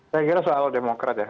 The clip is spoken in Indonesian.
saya kira soal demokrat ya